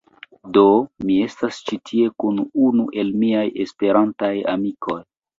Do, mi estas ĉi tie kun unu el miaj esperantistaj amikoj